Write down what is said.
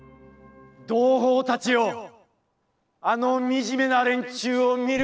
「同胞たちよ、あのみじめな連中を見るがいい！